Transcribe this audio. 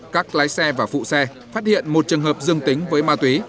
các lái xe và phụ xe phát hiện một trường hợp dương tính với ma túy